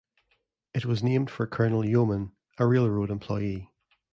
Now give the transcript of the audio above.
It was named for Colonel Yeoman, a railroad employee.